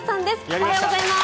おはようございます。